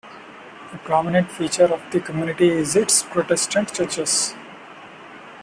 A prominent feature of the community is its Protestant churches.